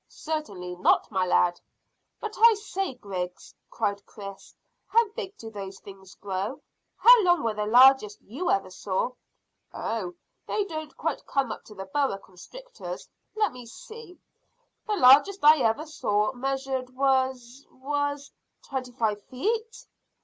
"Certainly not, my lad." "But I say, Griggs," cried Chris, "how big do those things grow how long were the largest you ever saw?" "Oh, they don't come quite up to boa constrictors. Let me see, the largest I ever saw measured was was " "Twenty five feet?"